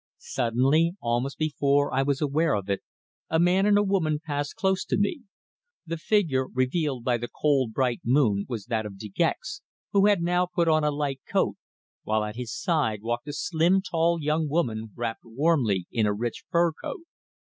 Suddenly, almost before I was aware of it, a man and a woman passed close to me. The figure revealed by the cold bright moon was that of De Gex, who had now put on a light coat, while at his side walked a slim, tall young woman wrapped warmly in a rich fur coat.